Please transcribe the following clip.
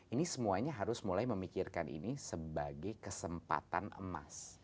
ini semuanya harus mulai memikirkan ini sebagai kesempatan emas